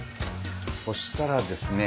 そしたらですね